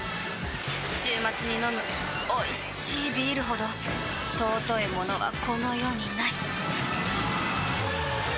週末に飲むおいしいビールほど尊いものはこの世にない！